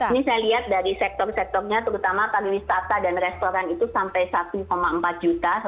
ini saya lihat dari sektor sektornya terutama pariwisata dan restoran itu sampai satu empat juta